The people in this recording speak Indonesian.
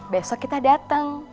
besok kita dateng